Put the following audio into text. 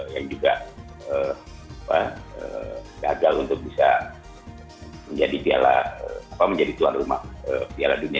yang juga gagal untuk bisa menjadi tuan rumah piala dunia